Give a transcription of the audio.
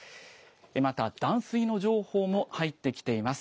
また、断水の情報も入ってきています。